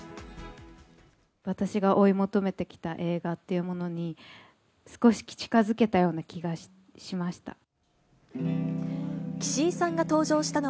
私が追い求めてきた映画っていうものに、少し近づけたような気がしました。